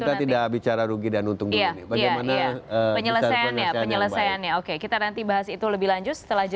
tapi kita tidak bicara rugi dan untung dulu